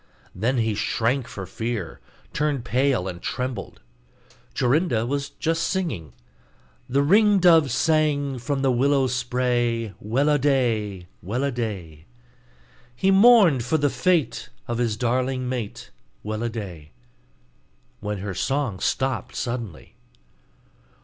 Then he shrank for fear, turned pale, and trembled. Jorinda was just singing, 'The ring dove sang from the willow spray, Well a day! Well a day! He mourn'd for the fate of his darling mate, Well a day!' when her song stopped suddenly.